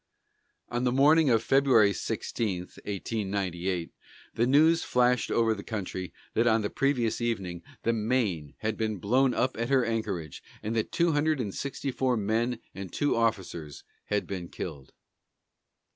On the morning of February 16, 1898, the news flashed over the country that on the previous evening the Maine had been blown up at her anchorage, and that two hundred and sixty four men and two officers had been killed.